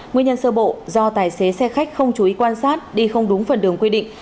nguyên nhân sơ bộ do tài xế xe khách không chú ý quan sát đi không đúng phần đường quy định